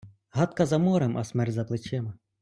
Гадка за морем, а смерть за плечима.